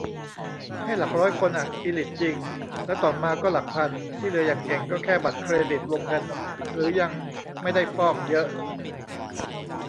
ให้หลักร้อยคนอะ อีลิทจริง แล้วต่อมาก็หลักพัน ที่เหลืออย่างเก่งก็แค่บัตรเครดิตวงเงินหรือเงินยังไม่ได้ฟอกเยอะ